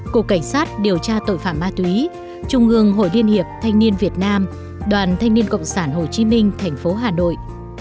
cục cảnh sát điều tra tội phạm ma túy trung ương hội liên hiệp thanh niên việt nam đoàn thanh niên cộng sản hồ chí minh thành phố hà nội